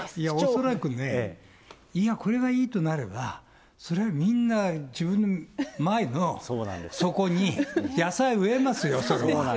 恐らくね、いや、これはいいとなれば、それはみんな、自分の前のそこに、野菜植えますよ、それは。